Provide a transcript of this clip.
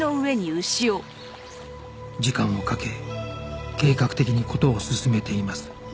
時間をかけ計画的に事を進めています